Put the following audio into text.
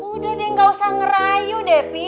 udah deh gak usah ngerayu depi